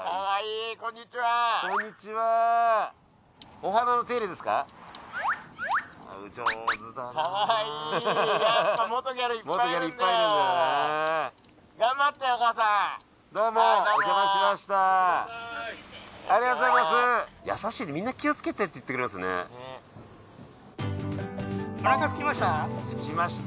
おなかすきました？